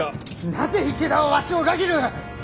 なぜ池田はわしを裏切る！？